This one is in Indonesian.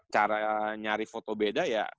cara nyari foto beda ya